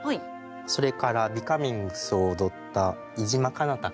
それから「ビカミングス」を踊った井嶋奏太くん。